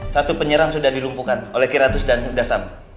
satu penyerang sudah dilumpuhkan oleh kiratus dan dasam